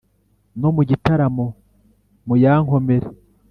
No mu gitaramo muyankomere